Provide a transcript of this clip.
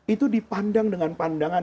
itu dipandang dengan pandangan